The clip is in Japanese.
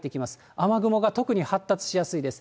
雨雲が特に発達しやすいです。